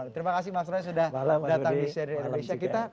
terima kasih mas roy sudah datang di seri indonesia kita